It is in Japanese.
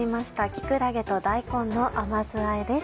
木くらげと大根の甘酢あえです。